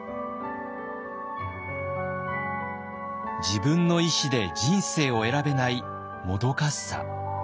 自分の意思で人生を選べないもどかしさ。